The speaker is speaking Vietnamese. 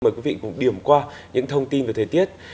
mời quý vị cùng điểm qua những thông tin về thời tiết